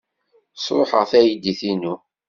Sṛuḥeɣ taydit-inu.